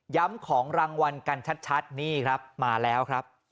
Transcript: ของรางวัลกันชัดนี่ครับมาแล้วครับ